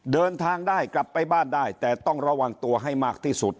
เดินทางได้กลับไปบ้านได้แต่ต้องระวังตัวให้มากที่สุด